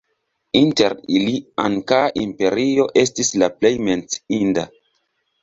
Inter ili Inkaa Imperio estis la plej menciinda.